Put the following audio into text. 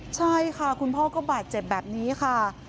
ใช่ค่ะคุณพ่อก็บาดเจ็บแบบนี้ค่ะ